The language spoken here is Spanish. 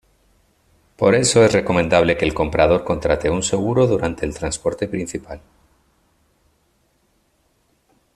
Por eso, es recomendable que el comprador contrate un seguro durante el transporte principal.